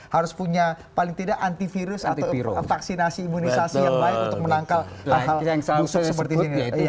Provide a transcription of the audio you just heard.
harus punya paling tidak antivirus atau vaksinasi imunisasi yang baik untuk menangkal hal hal seperti ini